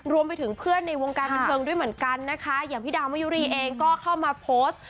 รวมไปถึงเพื่อนในวงการบันเทิงด้วยเหมือนกันนะคะอย่างพี่ดาวมะยุรีเองก็เข้ามาโพสต์